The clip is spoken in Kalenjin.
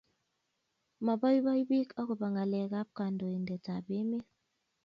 moboiboi pik ako ba ngalek ab kandoiten ab emt